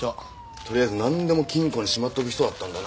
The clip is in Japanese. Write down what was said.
とりあえずなんでも金庫にしまっておく人だったんだな。